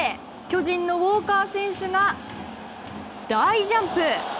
巨人のウォーカー選手が大ジャンプ！